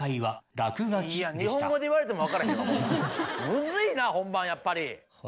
ムズいな本番はやっぱり。